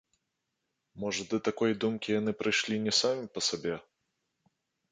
Можа, да такой думкі яны прыйшлі не самі па сабе.